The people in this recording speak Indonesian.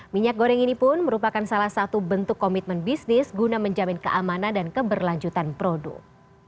minyak goreng ini pun merupakan salah satu bentuk komitmen bisnis guna menjamin keamanan dan keberlanjutan produk